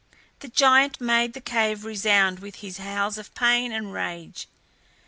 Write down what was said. The giant made the cave resound with his howls of pain and rage.